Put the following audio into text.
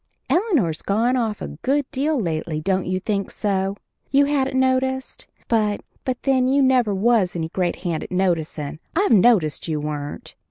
Eleanor's gone off a good deal lately, don't you think so? You hadn't noticed it? But then you never was any great hand at noticin', I've noticed you weren't.